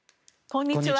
こんにちは。